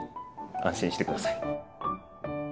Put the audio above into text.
安心して下さい。